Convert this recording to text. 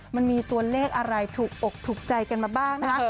มันมีตัวเลขอะไรถูกอกถูกใจกันมาบ้างนะคะ